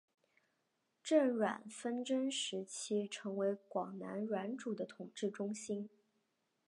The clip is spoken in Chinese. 郑阮纷争时期成为广南阮主的统治中心。